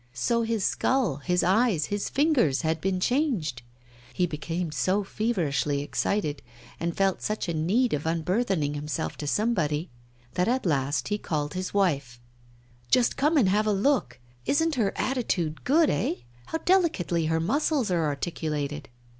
So his skull, his eyes, his fingers had been changed. He became so feverishly excited and felt such a need of unburthening himself to somebody, that at last he called his wife. 'Just come and have a look. Isn't her attitude good, eh? How delicately her muscles are articulated!